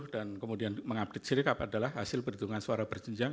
dan kemudian mengupdate si rekap adalah hasil perhitungan suara berjenjang